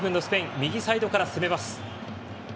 右サイドから攻めます。